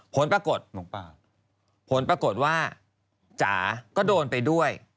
ผลปรากฏหมอปลาผลปรากฏว่าจ๋าก็โดนไปด้วย